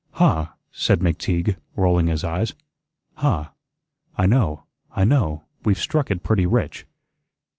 "Huh!" said McTeague, rolling his eyes. "Huh! I know, I know, we've struck it pretty rich."